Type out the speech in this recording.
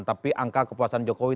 tapi angka kepuasan jokowi